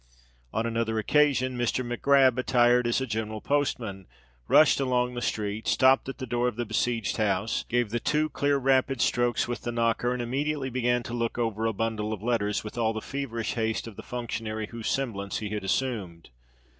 On another occasion, Mr. Mac Grab, attired as a general postman, rushed along the street, stopped at the door of the besieged house, gave the two clear, rapid strokes with the knocker, and immediately began to look over a bundle of letters with all the feverish haste of the functionary whose semblance he had assumed.